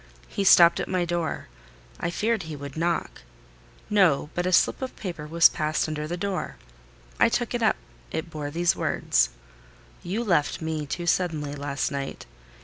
He stopped at my door: I feared he would knock—no, but a slip of paper was passed under the door. I took it up. It bore these words— "You left me too suddenly last night.